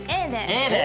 Ａで。